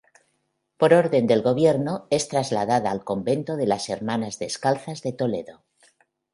Por orden del gobierno es trasladada al convento de las Hermanas Descalzas de Toledo.